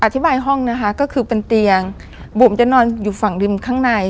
ห้องนะคะก็คือเป็นเตียงบุ๋มจะนอนอยู่ฝั่งริมข้างใน